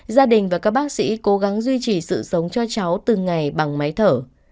gia đình và các bác sĩ cố gắng duy trì sự sống cho cháu từng ngày bằng máy thở